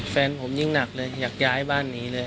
แฟนผมยิ่งหนักเลยอยากย้ายบ้านหนีเลย